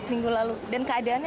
minggu lalu dan keadaannya